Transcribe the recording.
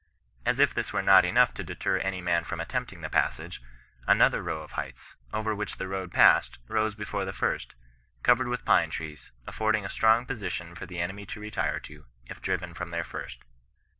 As if thU were not enough to deter any man from attempting the passage, another row of heights, over which the road passed, rose behind the first, covered with pine trees, af fording a strong position for the enemy to retire to, if driven from their first.